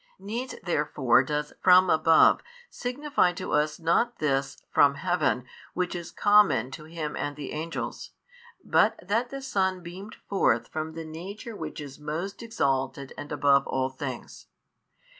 Needs therefore does from above signify to us not this From Heaven which is common [to Him and the Angels] but that the Son beamed forth from the Nature Which is most exalted and above all things.